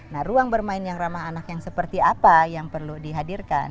nah ruang bermain yang ramah anak yang seperti apa yang perlu dihadirkan